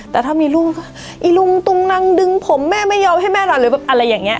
แต่ถ้ามีลูกก็อีลุงตุงนังดึงผมแม่ไม่ยอมให้แม่นอนหรือแบบอะไรอย่างนี้